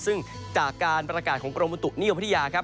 ซึ่งจากการประกาศของกรมบุตุนิยมพัทยาครับ